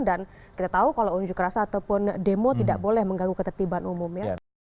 dan kita tahu kalau unjuk rasa ataupun demo tidak boleh mengganggu ketertiban umum